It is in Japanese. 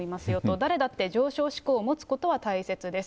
誰だって上昇志向を持つことは大切です。